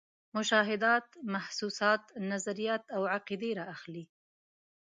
مشاهدات، محسوسات، نظریات او عقیدې را اخلي.